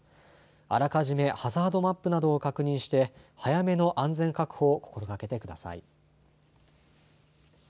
あらかじめハザードマップなどを確認して早めの安全確保を心がけてください。